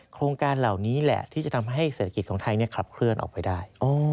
โครงการเหล่านี้แหละที่จะทำให้เศรษฐกิจของไทยขับเคลื่อนออกไปได้